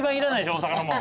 大阪のもん。